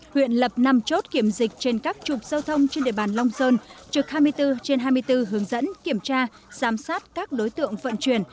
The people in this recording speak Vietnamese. huyện lập năm chốt kiểm dịch trên các trục giao thông trên địa bàn long sơn trực hai mươi bốn trên hai mươi bốn hướng dẫn kiểm tra giám sát các đối tượng vận chuyển